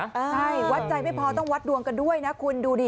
ใช่วัดใจไม่พอต้องวัดดวงกันด้วยนะคุณดูดิ